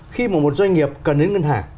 khi mà một doanh nghiệp cần đến ngân hàng